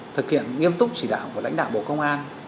thực hiện nghiêm túc chỉ đạo của lãnh đạo bộ công an